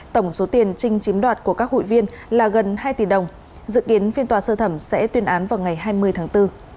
tổng số tiền trinh chiếm đoạt của các hụi viên là gần hai tỷ đồng dự kiến phiên tòa sơ thẩm sẽ tuyên án vào ngày hai mươi tháng bốn